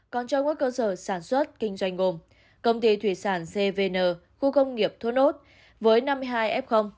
còn cho các cơ sở sản xuất kinh doanh gồm công ty thủy sản cvn khu công nghiệp thốt nốt với năm mươi hai f